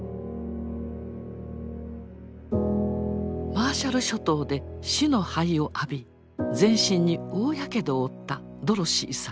マーシャル諸島で死の灰を浴び全身に大やけどを負ったドロシィさん。